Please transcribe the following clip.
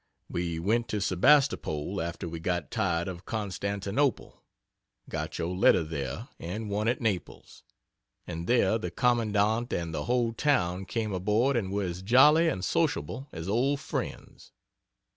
We went to Sebastopol, after we got tired of Constantinople (got your letter there, and one at Naples,) and there the Commandant and the whole town came aboard and were as jolly and sociable as old friends.